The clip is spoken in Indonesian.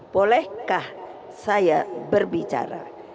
bolehkah saya berbicara